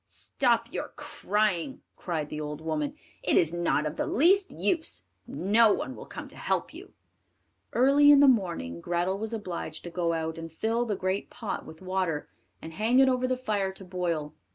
"Stop your crying!" cried the old woman; "it is not of the least use, no one will come to help you." Early in the morning Grethel was obliged to go out and fill the great pot with water, and hang it over the fire to boil.